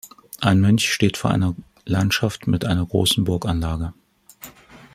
Ein Mönch steht vor einer Landschaft mit einer großen Burganlage.